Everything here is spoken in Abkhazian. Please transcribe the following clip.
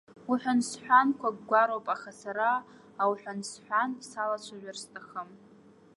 Уҳәан-сҳәанқәак гәароуп, аха сара ауҳәансҳәан салацәажәар сҭахым.